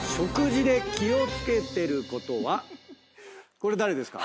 これ誰ですか？